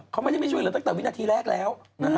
เขาไม่ได้ไม่ช่วยเหลือตั้งแต่วินาทีแรกแล้ว